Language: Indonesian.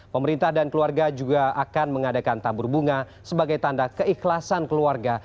pemerintah dan keluarga juga akan mengadakan tabur bunga sebagai tanda keikhlasan keluarga